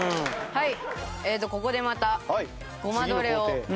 はい。